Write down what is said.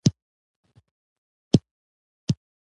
د دې کار سر و ښکر نه مالومېږي.